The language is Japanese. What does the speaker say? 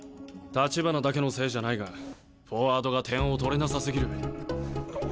橘だけのせいじゃないがフォワードが点を取れなさすぎる。